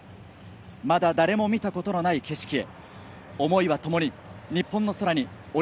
まだ誰も見たことのない景色へ。